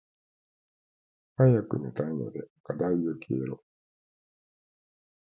早く寝たいので課題よ消えろ。